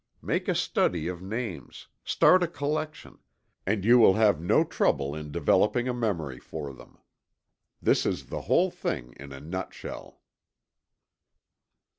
Make a study of names start a collection and you will have no trouble in developing a memory for them. This is the whole thing in a nut shell.